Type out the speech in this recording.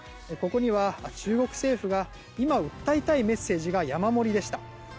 ここには中国政府が今、訴えたいメッセージが山盛りでした。